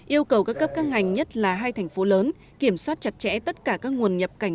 yêu cầu các cấp các ngành nhất là hai thành phố lớn kiểm soát chặt chẽ tất cả các nguồn nhập cảnh